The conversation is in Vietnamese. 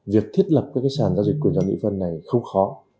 việc thiết lập các sàn giao dịch của nhà mỹ vân này không khó